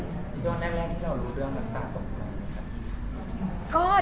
ช่วงแรกที่เรารู้เรื่องน้ำตาตกไหมครับ